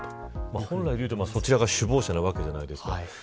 本来でいえば、そちらが首謀者なわけじゃないですか。